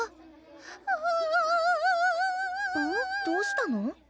どうしたの？